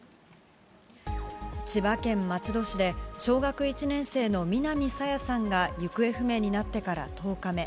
千葉県松戸市で、小学１年生の南朝芽さんが行方不明になってから１０日目。